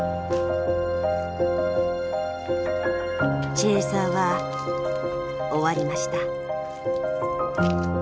チェーサーは終わりました。